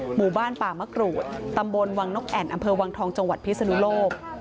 หมู่บ้านป่ามะกรูดตำบลวังนกแอ่นอำเภอวังทองจังหวัดพิศนุโลก